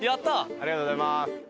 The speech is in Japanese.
ありがとうございます。